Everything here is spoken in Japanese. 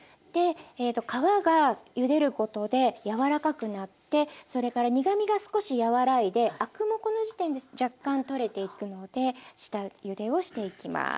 皮がゆでることで柔らかくなってそれから苦みが少し和らいでアクもこの時点で若干取れていくので下ゆでをしていきます。